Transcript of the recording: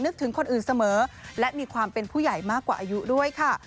ถึงคนอื่นเสมอและมีความเป็นผู้ใหญ่มากกว่าอายุด้วยค่ะ